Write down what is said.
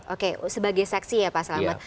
oke sebagai saksi ya pak selamat